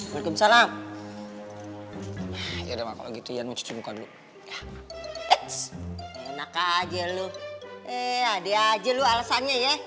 salam salam ya udah maka begitu yang mencoba dulu enak aja lu eh dia aja lu alasannya ya